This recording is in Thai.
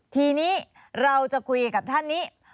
ทีนี้เราจะคุยกับท่านนี้